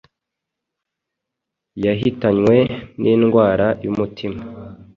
yahitanwe n’indwara y’umutima